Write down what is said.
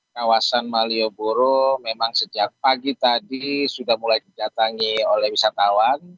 kawasan malioboro memang sejak pagi tadi sudah mulai didatangi oleh wisatawan